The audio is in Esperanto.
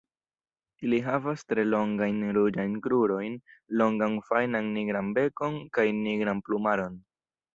Ili havas tre longajn ruĝajn krurojn, longan fajnan nigran bekon kaj nigran plumaron.